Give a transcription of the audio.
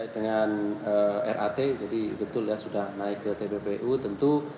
dengan rat jadi betul ya sudah naik ke tppu tentu